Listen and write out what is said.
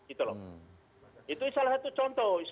itu loh itu salah satu contoh